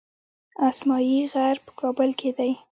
اسمايي غر په کابل کې دی